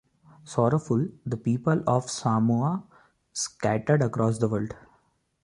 Sorrowful, the people of Samoa scattered across the world.